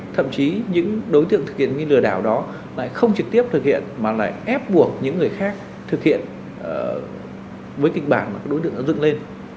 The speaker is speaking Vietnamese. thậm chí những đối tượng thực hiện nghi lừa đảo đó lại không trực tiếp thực hiện mà lại ép buộc những người khác thực hiện với kịch bản mà các đối tượng đã dựng lên